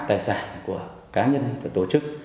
tài sản của cá nhân và tổ chức